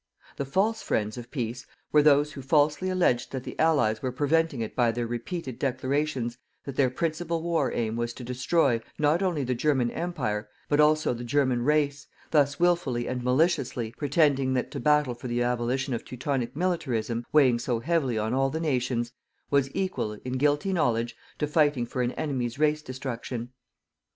The FALSE friends of PEACE were those who falsely alleged that the Allies were preventing it by their repeated declarations that their principal war aim was to destroy, not only the German Empire, but also the German race, thus wilfully and maliciously pretending that to battle for the abolition of Teutonic militarism, weighing so heavily on all the nations, was equal, in guilty knowledge, to fighting for an enemy's race destruction.